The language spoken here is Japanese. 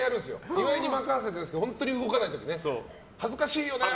岩井に任せてるんですけど本当に動かない時ね恥ずかしいよね。